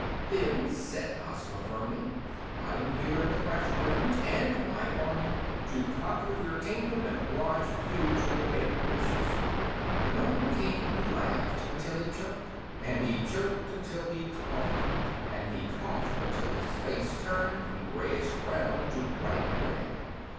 "Then," said Ozma, firmly, "I am here with my friends and my army to conquer your kingdom and oblige you to obey my wishes." The Nome King laughed until he choked; and he choked until he coughed; and he coughed until his face turned from grayish brown to bright red.